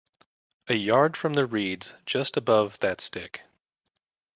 A yard from the reeds just above that stick.